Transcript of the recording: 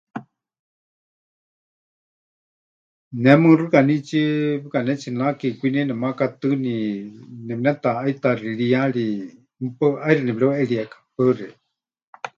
Ne muxɨkanítsie pɨkanetsinake kwinie namakatɨɨni, nemɨnetaʼaita xiriyari, mɨpaɨ ʼaixɨ nepɨreuʼeríeka. Paɨ xeikɨ́a.